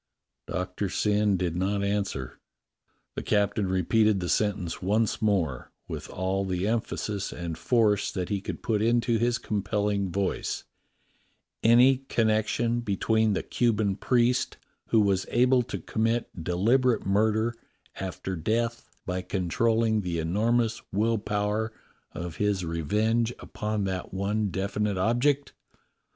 Doctor Syn did not answer. The captain repeated the sentence once more — with all the emphasis and force that he could put into his compelling voice: "Any connection between the Cuban priest who was able to commit deliberate murder after death by con trolling the enormous will power of his revenge upon that one definite object?